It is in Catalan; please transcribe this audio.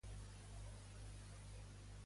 Què va fer, en acabar El club?